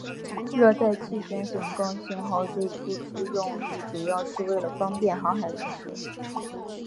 热带气旋警告信号最初之用意主要是为了方便航海人士。